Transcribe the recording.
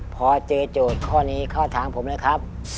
พอเจอโจทย์ข้อนี้ข้อถามผมเลยครับ